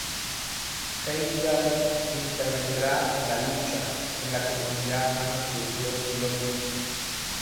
Heimdal intervendrá en la lucha, en la que morirá a manos del dios Loki.